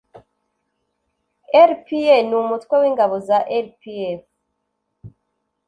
rpa ni umutwe w'ingabo za rpf